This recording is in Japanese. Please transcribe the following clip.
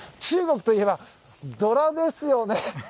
中国といえば、ドラですよね！